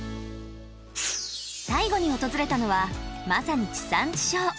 最後に訪れたのはまさに地産地消。